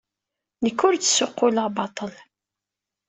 Nekk ur d-ssuqquleɣ baṭel.